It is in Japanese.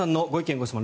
・ご質問